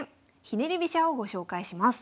ひねり飛車」をご紹介します。